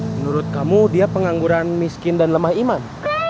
menurut kamu dia pengangguran miskin dan lemah iman